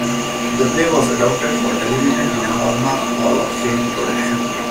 The play was adapted for television in a Hallmark Hall of Fame production.